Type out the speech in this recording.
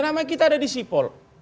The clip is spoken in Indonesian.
nama kita ada di sipol